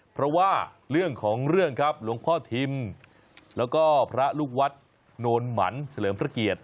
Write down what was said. เพราะว่าเรื่องของเรื่องครับหลวงพ่อทิมแล้วก็พระลูกวัดโนนหมันเฉลิมพระเกียรติ